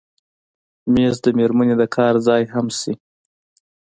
مېز د مېرمنې د کار ځای هم شي.